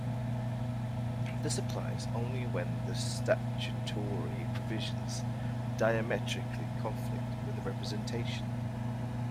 This applies only when the statutory provisions diametrically conflict with the representation.